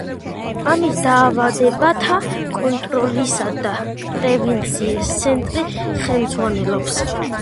ამას დაავადებათა კონტროლისა და პრევენციის ცენტრი ხელმძღვანელობს.